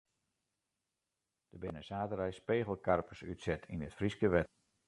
Der binne saterdei spegelkarpers útset yn it Fryske wetter.